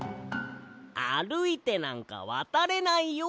あるいてなんかわたれないよ。